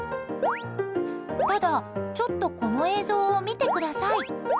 ただ、ちょっとこの映像を見てください。